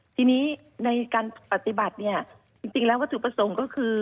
ทีนี้ในการปฏิบัติเนี่ยจริงแล้ววัตถุประสงค์ก็คือ